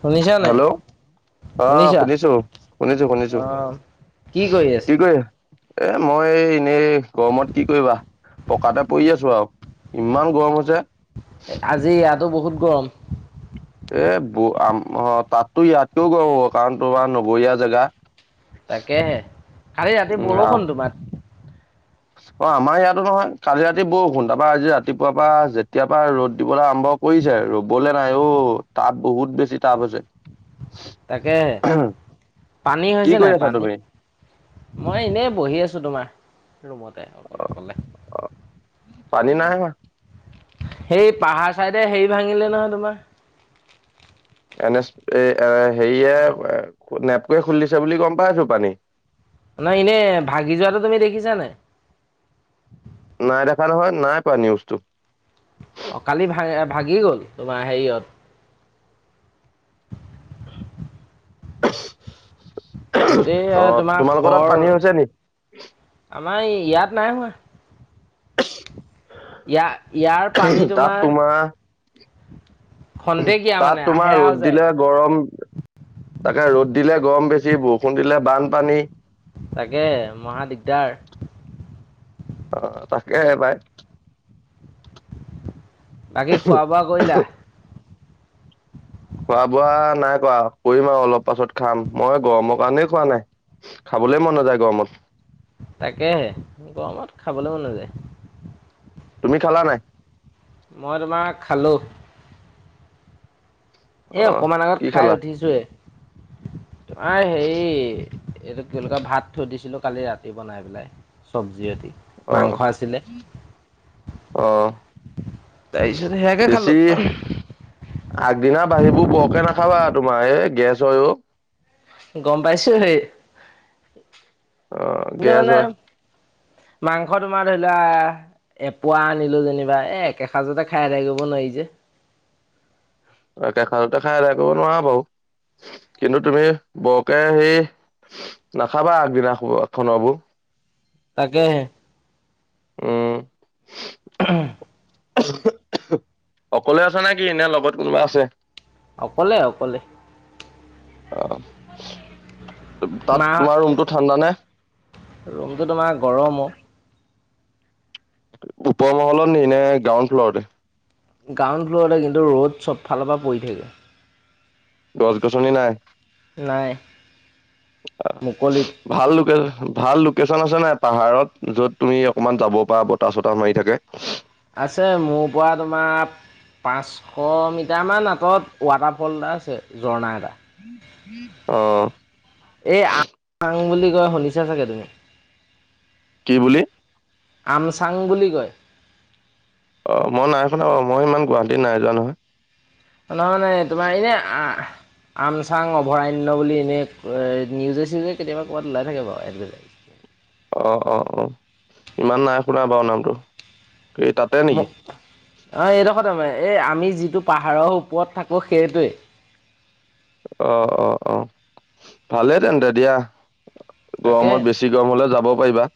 শুনিছা নাই? হেল্ল' অ'! শুনিছা শুনিছোঁ, শুনিছোঁ অ শুনিছোঁ কি আছে কি কৰি এ, মই এই এনেই, গৰমত কি কৰিবা। পকাতে পৰি আছোঁ আৰু ইমান গৰম হৈছে। আজি ইয়াতো বহুত গৰম। এ, [unintelligible] তাতো ইয়াতো গৰম হ'ব। কাৰণ, তোমাৰ নগৰীয়া জেগা। তাকে, কালি ৰাতি উম আ- বৰষুণ তোমাৰ। অ'! আমাৰ ইয়াতো নহয়! কালি ৰাতি বৰষুণ। তাৰপৰা, আজি ৰাতিপুৱা পৰা যেতিয় পৰা ৰ'দ দিবলৈ আৰম্ভ কৰিছে ৰ'বলে নাই অ'! তাপ বহুত বেছি তাপ হৈছে। তাকে পানী কি হৈছে কৰি নাই আছা পানী? তুমি মই এনেই বহি আছোঁ। তোমাৰ ৰুমতে অকলে অকলে। পানী নাই হোৱা। সেই পাহাৰ ছাইডে হেৰি ভাঙিলে নহয় তোমাৰ? এনে [unintelligible] এ এ অ হেৰিয়ে নেপকোৱে খুলি দিছে বুলি গম পাইছো পানী। নাই এনে, ভাগি যোৱাটো তুমি দেখিছা নাই? নাই দেখা নহয়। নাই পোৱা নিউজটো। অ'! কালি ভা ভাগি গ'ল। তোমাৰ হেৰিয়ত গোটেই অ তোমাৰ তোমালোকৰ তাত ঘৰ পানী হৈছে নি নাই, ইয়াত নাই হোৱা। ইয়াৰ, ইয়াৰ পানী তোমাৰ খন্তেকীয়া তাত মানে তোমাৰ আহে আৰু ৰ'দ যায় দিলে গৰম তাকে ৰ'দ দিলে গৰম বেছি, বৰষুণ দিলে বানপানী। তাকে মহা দিগদাৰ। অ'! তাকেহে পাই। বাকী খোৱা বোৱা কৰিলা? খোৱা বোৱা নাই কৰা। কৰিম আৰু অলপ পাছত খাম, মই গৰমৰ কাৰণেই খোৱা নাই। খাবলৈ মন নাযায় গৰমত। তাকেহে, গৰমত খাবলৈ মন নাযায়। তুমি খালা নাই? মই তোমাৰ খালোঁ। এ, অ অকমান আগত কি খাই খালা উঠিছোঁয়ে। আঁ হেৰি, এইটো কি বলি কয়, ভাত থৈ দিছিলোঁ কালি ৰাতি বনাই পেলাই চবজি। আজি ৰাতি? অ মাংস আছিলে। অ তাৰপিছত সেয়াকে বেছি খালোঁ আগদিনা, বাঢ়িবোৰ বৰকে নাখাবা। তোমাৰ এ' গেছ হয় অ'! গম পাইছোঁ হে। অ'! গেছ হয়। মাংস তোমাৰ ধৰি লোৱা, এপোৱা আনিলোঁ যেনিবা, এ' একেসাঁজতে খায় আদায় কৰিব নোৱাৰি যে। একে সাঁজতে খায় শেষ কৰিব নোৱাৰা বাৰু। কিন্তু, তুমি বৰকে সেই নাখাবা! আগদিনা খোৱা [unintelligible] তাকেহে। উম। আহু -আহু অকলে আছে নে কি এনে লগত কোনোবা আছে। অকলে অকলে। অ তাত মা তোমাৰ ৰুমতটো ঠাণ্ডা নে। ৰুমটো তোমাৰ গৰম অ। ওপৰ মহলত নি নে গ্ৰাউড ফ্লৰতে। গ্ৰাউণ্ড ফ্ল'ৰতে কিন্তু ৰ'দ চব ফালৰ পৰা পৰি থাকে। গছ গছনি নাই। নাই। অ মুকলিত ভাল লোকে। ভাল লোকেশ্যন আছে নাই পাহাৰত য'ত তুমি অকণমান যাব পৰা বতাহ চতাহ মাৰি থাকে। আছে মোৰ পৰা তোমাৰ। পাঁচশ মিটাৰমান আঁতৰত ৱাটাৰফল এটা আছে ঝৰ্ণা এটা। অহ। এই আং আং বুলি কয় শুনিছা চাগে তুমি। কি বুলি। আমচাং বুলি কয়। অ মই নাই শুনা মই ইমান গুৱাহাটীত নাই যোৱা নহয়। নহানে তোমাৰ এনে আ। আম চাং অভয়াৰণ্য বুলি এনেই নিউজে চিউজে কেতিয়াবা ক'ৰবাত ওলাই থাকে বাৰু এডভাতাইজ। অ- অ- অ ইমান নাই শুনা বাৰু নামটো। এই তাতে ম নেকি অ এইডখ। এই আমি যিটো পাহাৰৰ ওপৰত থাকো সেইটোৱে। অ- অ- অ ভালেই তেন্তে দিয়া। তাকে গৰমত বেছি গৰম হলে যাব পাৰিবা।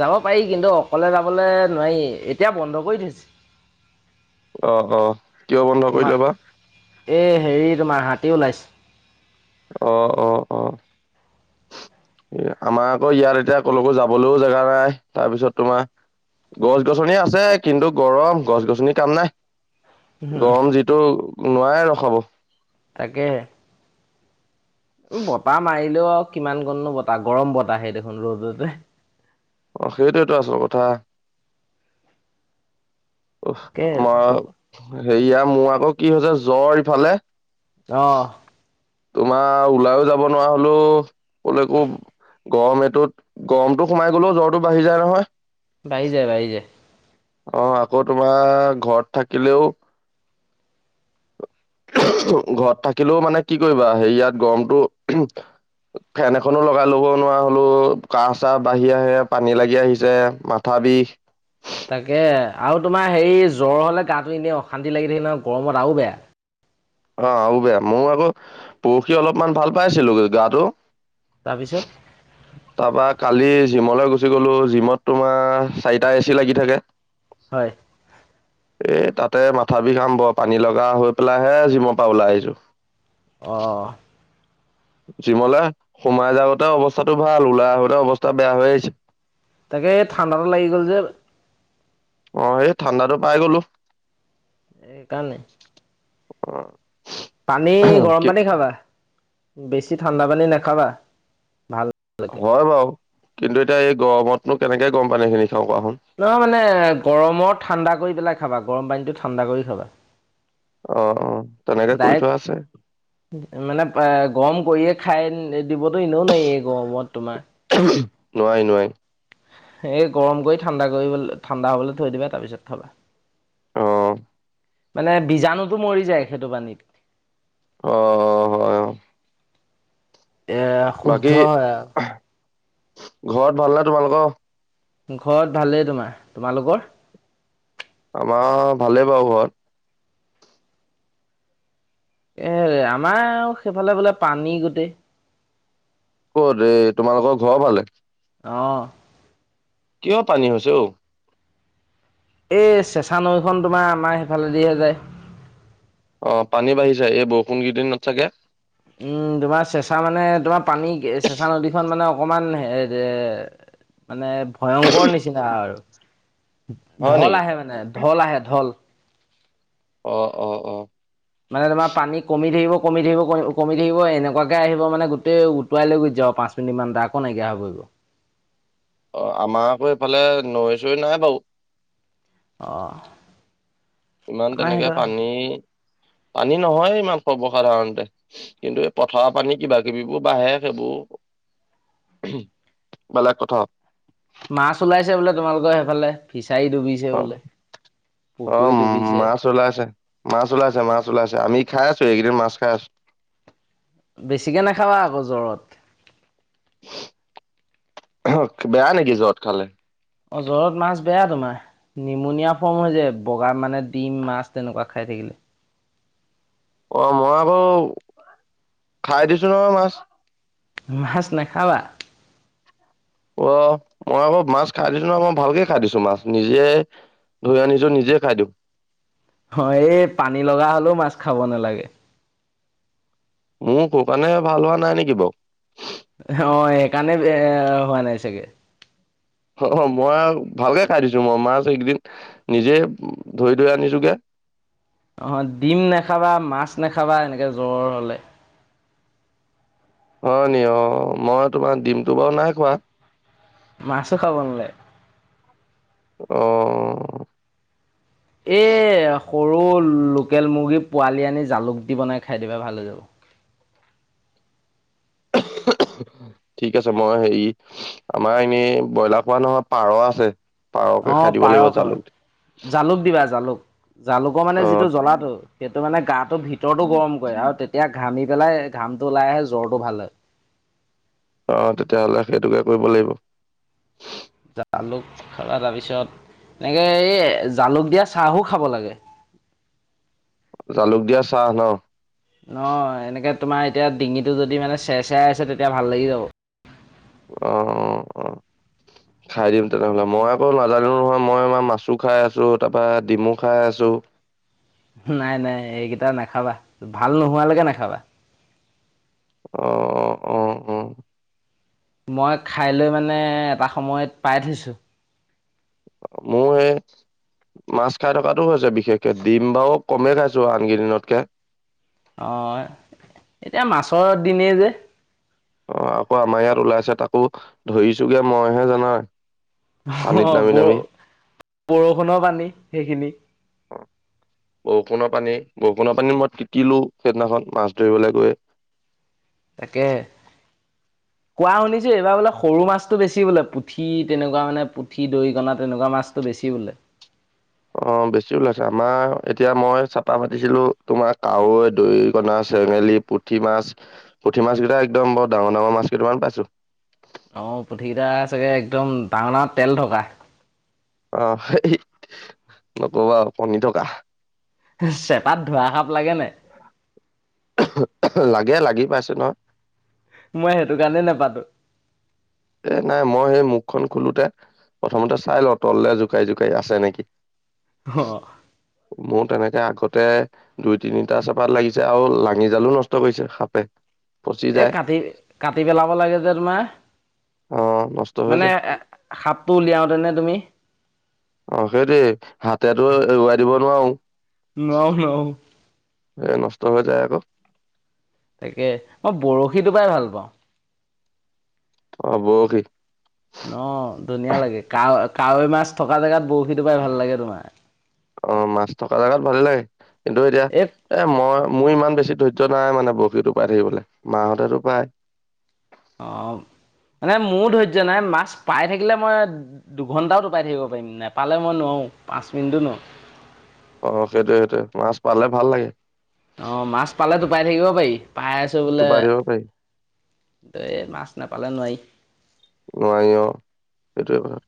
যাব পাৰি কিন্তু অকলে যাবলৈ নোৱাৰি এতিয়া বন্ধ কৰি থৈছে। অ অ কিয় বন্ধ কৰিলে বা তোমাৰ এই হেৰি তোমাৰ হাত। তি লাইছ। অ অ- অ। আমাৰ আকৌ ইয়াত এতিয়া কলেকো যাবলৈও জেগা নাই তাৰপিছত তোমাৰ। গছ গছনি আছে কিন্তু গৰম গছ গছনি কাম নাই। হম গৰম যিটো নোৱাৰে ৰখাব। তাকেহে। উ বতাহ মাৰিলেও কিমান কণনো বতাহ গৰম বতাহাহেই দেখোন ৰ'দতে অ সেইটোটো আছল কথা আমাৰ হেৰিয়া মোৰ আকৌ কি হৈছে জ্বৰ ইফালে আহ তোমাৰ ওলাইও যাব নোৱাৰা হলো কলৈকো গৰম এইটোত গৰমতটো সোমাই গলেও জ্বৰটো বাঢ়ি যায় নহয়। বাঢ়ি যায় বাঢ়ি যায়। অ আকৌ তোমাৰ ঘৰত থাকিলেও ঘৰত থাকিলেও মানে কি কৰিবা হেৰিয়াত গৰমটো ফেন এখনো লগাই লব নোৱাৰা হলো কাহ চাহ বাঢ়ি আহে পানী লাগি আহিছে মাথা ভাবি তাকে আৰু তোমাৰ হেৰি জ্বৰ হ'লে গাটো এনেই অশান্তি লাগি থাকিলে গৰমত আৰু বেয়া। অ আৰু বেয়া মোৰ আকৌ পৰহি অলপমান ভাল পাইছিলো গাটো। তাৰপিছত তাৰপা কালি জিমলৈ গুচি গ'লো জিমত তোমাৰ চাৰিটা এ চি লাগি থাকে। হয় এই তাতে মাথা বিষা আৰম্ভ পানী লগা হৈ পেলাই হে জিমৰ পৰা ওলাই আহিছো অঁ জিমলে সোমাই যাওঁতে অৱস্থাটো ভাল ওলাই আহোতে অৱস্থা বেয়া হৈ আহিছে তাকে ঠাণ্ডাটো লাগি গ'ল যে অঁ সেই ঠাণ্ডাতো পাই গ'লো এই কাৰণে অঁ পানী গৰম পানী খাবা বেছি ঠাণ্ডা পানী নাখাবা ভাল নালাগে। হয় বাৰু কিন্তু এতিয়া এই গৰমতনো কেনেকে গম পান এইখিনি নহয় মানে গৰমৰ ঠাণ্ডা কৰি পেলাই খাবা গৰম পানীটো ঠাণ্ডা কৰি খাবা অঁ অঁ ডাইক্ মানে গৰম কৰিয়ে খাই দিবতো এনেও নাই এই গৰমৰত তোমাৰ নোৱাই নোৱাই এ গৰম কৰি ঠাণ্ডা কৰিব ঠাণ্ডা হবলৈ থৈ দিবা তাৰপিছত থবা আহঁ মানে বীজাণুতটো মৰি যায় সেইটো পানীত [unintelligible] অঁ হয় এ শুদ্ধ বাকী হয় আৰু ঘৰত ভাল নে তোমালোকৰ [unintelligible] ঘৰত ভালেই তোমাৰ তোমালোকৰ আমাৰ ভালেই বাৰু ঘৰত এ আমাৰ সেইফালে বোলে পানী গোটেই ক'ত এই তোমালোকৰ ঘৰ ভালে অঁ কিয় পানী হৈছে অঔ এই চেঁচা নৈখন তোমাৰ আমাৰ সেইফালে দিয়ে যায় অঁ পানী বাঢ়িছে এই বৰষুণ কেইদিনত চাগে উম তোমাৰ চেঁচা মানে তোমাৰ পানী চেঁচা নদীখন মানে অকমান হে মানে ভয়ংকৰ নিচিনা আৰু হয় ঢল নেকি আহে মানে ঢল আহে ঢল অঁ অঁ অঁ মানে তোমাৰ পানী কমি থাকিব কমি থাকিব কমি থাকিব এনেকুৱাকে আহিব মানে গোটেই উটুৱাই লৈ গৈ যায় [unintelligible] পাঁচ মিনিট মান দা কো নাইকিয়া হৈ [unintelligible] অঁ আমাৰ আকৌ এইফালে নৈ চৈ নাই বাৰু অঁহ ইমান তেনেকে পানী অ [unintelligible] পানী নহয় ইমান সৰ্বসাধাৰণতে কিন্তু এই পথাৰ পানী কিবা কিবোৰ বাঢ়ে সেইবোৰ [unintelligible] [inaudible] বেলেগ কথাঁ। মাছ ওলাইছে বোলে তোমালোকৰ সেইফালে ফি অহঁ পুখুৰী অহঁ উ ডুবিছে মাছ ওলাইছে মাছ ওলাইছে মাছ ওলাইছে আমি় খাই আছো একিদিন মাছ খাই আছোঁ। বেছিকে নাখাবা আকৌ জ্বৰত অহঁ বেয়া নেকি যত খালে অ জ্বৰত মাছ বেয়া তোমাৰ নিমনিয়া ফৰ্ম হৈ যায় বগা মানে ডিম মাছ তেনেকুৱা খাই থাকিলে িল [unintelligible] অ মই আকৌ খাই দিছো নহঁ মাছ মাছ নাখাবা অহঁ মই আকৌ মাছ খাই দিছো নহঁ মই ভালকে খাই দিছোঁ মাছ নিজে ধৰি আনিছোঁ নিজে খাই দিওঁ। হয়, এই পানী লগা হলেওঁ মাছ খাব নেলাগে মোৰ [unintelligible] কাৰণে ভাল হোৱা নাই নেকি বাৰু অহ, সেইকাৰণে এ' হোৱা নাই চাগে অহ- হ মই ভালকে খাই দিছো মই মাছ এইকেইদিন নিজে ধৰি -ধৰি আনিছোঁগে অহ, ডিম নেখাবা, মাছ নেখাবা এনেকে জ্বৰ হলে হয়নি অহ মই তোমাৰ ডিমটো বাৰু নাই খোৱা মাছো খাব নালাগে। অহ', এই, সৰু লোকেল মুৰ্গী পোৱালি আনি জালুক দি বনাই খাই দিবা ভাল হৈ যাব। [inaudible] ঠিক আছে, মই হেৰি আমাৰ এনেই ব্ৰইলাৰ খোৱা নহয় পাৰ আছে পাৰকে অ' খাই দিব পাৰ লাগিব খাবা জালুক দি জালুক দিবা জালুক। জালুকৰ মানে অ যিটো জ্বলাটো সেইটো টো মানে গাটো ভিতৰতো গৰম কৰে আৰু তেতিয়া ঘামি পেলাই ঘামটো ওলাই আহে জ্বৰটো ভাল হয়। অহ, তেতিয়াহ'লে সেইটোকে কৰিব লাগিব। জালুক খালা তাৰপিছত এনেকে এই জালুক দিয়া চাহো খাব লাগে। জালুক দিয়া চাহ নহ। অহ, এনেকে তোমাৰ এতিয়া ডিঙিটো যদি মানে চেৰ -চেৰাই আছে তেতিয়া ভাল লাগি যাব। অহ- অহ- অহ [inaudible] খাই দিম তেনেহ'লে মই আকৌ নাজানো নহয় মই অনা মাছো খাই আছোঁ, তাৰ পা ডিমু খাই আছোঁ। নাই -নাই এইকেইটা নেখাবা ভাল নোহোৱালৈকে নেখাবা। অহ-অহ- অহ- অহ - উম মই খাই লৈ মানে এটা সময়ত পাই থৈছো। মো এই মাছ খাই থকাটো হৈছে বিশেষকে ডিম বাৰু কমেই খাইছোঁ আনকেইদিনতকে অহ, এ'এতিয়া মাছৰ দিনেই যে অহ, আকৌ আমাৰ ইয়াত ওলাইছে তাকো ধৰিছোগে মইহে জানা অহ, পানীত নামি বৰ নামি -বৰষুণৰ পানী সেইখিনি বৰষুণৰ পানী বৰষুণৰ পানীত মই তিতিলো সেইদিনাখন মাছ ধৰিবলৈ গৈ তাকে। কোৱা শুনিছোঁ এইবাৰ বোলে সৰু মাছটো বেছি বোলে পুঠি তেনেকুৱা মানে পুঠি দৰিকনা তেনেকুৱা মাছটো বেছি। বেছি উলাই। অহ, বেছি ওলাইছে আমাৰ এতিয়া মই চেপা পাতিছিলো তোমাৰ কাৱৈ, দৰিকণা চেঙেলী, পুঠি মাছ- পুঠি মাছ কেইটা একদম বৰ ডাঙৰ- ডাঙৰ মাছ কেইটামান পাইছোঁ। অহ, পুঠি কেইটা চাগে একদম ডাঙৰ -ডাঙৰ তেল থকা। অহ, [unintelligible] নকবা আও কনী থকা। চেপাত ধোঁৰা সাপ লাগে নাই? [unintelligible] লাগে লাগি পাইছে নহয়। মই সেইটো কাৰণে নেপাতো। এ' নাই মই সেই মুখখন খোলোতে প্ৰথমতে চাই লওঁ তললে জোকাৰি- জোকাৰি আছে নেকি। অ মোৰ তেনেকে আগতে দুই- তিনিটা চেপাত লাগিছে আৰু লাঙি জালো নষ্ট কৰিছে সাপে। পচি এ' যায় কাটি -কাটি পেলাব লাগে যে তোমাৰ অ নষ্ট হৈ মানে যায় এ' সাপটো উলিয়াওঁতেনে তুমি? অহ, সেইটোৱেই হাতেৰেটো এৰুৱাই দিব নোৱাৰোঁ। নোৱাওঁ- নোৱাওঁ এ নষ্ট হৈ যায় আক তাকে মই বৰশী টোপাই ভাল পাওঁ অ বৰশী অ ধুনীয়া লাগে কাৱৈ কাৱৈ মাছ থকা জেগাত বৰশী টোপাই ভাল লাগে তোমাৰ অ মাছ থকা জোগাত ভালেই লাগে কিন্তু এতিয়া এই এ মই মোৰ ইমান বেছি ধৈৰ্য নাই মানে বৰশীত টোপাই থাকিবলৈ মাহঁতে টোপায় আহ মানে মোৰো ধৈৰ্য্য নাই মাছ পাই থাকিলে মই দুঘন্টাও টোপাই থাকিব পাৰিম নেপালে মই নোৱাৰোঁ পাঁচ মিনিটো নোৱাৰোঁ অ সেইটোয়ে সেইটোয়ে মাছ পালে ভাল লাগে অ মাছ পালে টোপাই থাকিব পাৰি পাই আছোঁ বোলে টোপাই দিব পাৰি দেই মাছ নাপালে নোৱাৰি নোৱাৰি অ এইটোৱেই কথা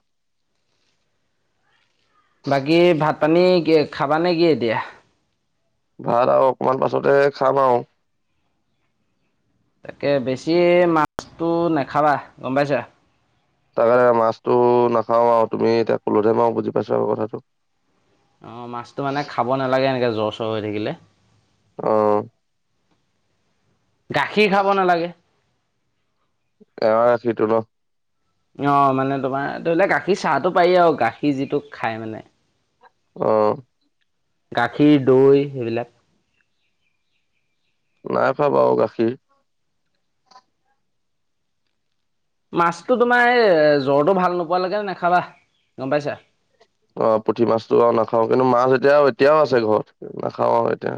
বাকী ভাত পানী খাবা নে কি এতিয়া ভাত আৰু অকণমান পাছতে খাম আৰু তাকে বেছি মাছটো নাখাবা গম পাইছা তাকে মাছটো নাখাওঁ আৰু তুমি এতিয়া কলোতেহে মই আৰু বুজি পাইছো আৰু কথাটো অ মাছটো মানে খাব নালাগে এনেকে জ্বৰ চৰ হৈ থাকিলে আহ গাখীৰ খাব নালাগে এৱাঁ গাখীৰটো ন অ মানে তোমাৰ ধৰি লোৱা গাখীৰ চাহটো পাৰি আৰু গাখীৰ যিটো খাই মানে অ গাখীৰ দৈ সেইবিলাক নাই খোৱা বাৰু গাখীৰ মাছতো তোমাৰ এই জ্বৰটো ভাল নোপোৱালৈকে নাখাবা গম পাইছা অ পুঠি মাছটো আৰু নাখাওঁ কিন্তু মাছ এতিয়া এতিয়াও আছে ঘৰত নাখাওঁ আৰু এতিয়া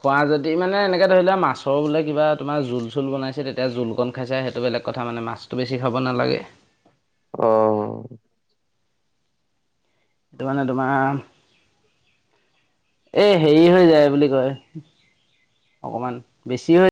খোৱা যদি মানে এনেকে ধৰি লোৱা মাছৰ বোলে কিবা তোমাৰ জোল চোল বনাইছে তেতিয়া জোল কন খাইছা সেইটো বেলেগ বেলেগ কথা মানে মাছতটো বেছি খাব নালাগে অ এইটো মানে তোমাৰ এ হেৰি হৈ যায় বুলি কয় অকণমান বেছি হৈ